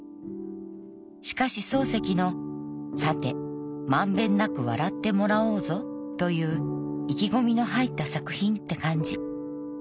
しかし漱石の『さてまんべんなく笑ってもらおうぞ』という意気込みの入った作品って感じ。